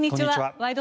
「ワイド！